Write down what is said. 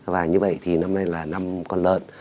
và như vậy thì năm nay là năm con lợn